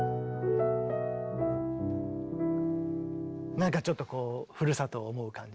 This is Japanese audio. なんかちょっとこうふるさとを思う感じ。